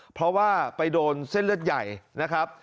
เพราะว่าไปโดนเส้นเลือดใหญ่นะครับ